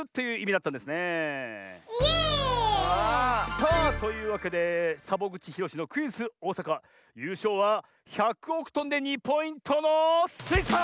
さあというわけでサボぐちひろしのクイズ「おおさか」ゆうしょうは１００おくとんで２ポイントのスイさん！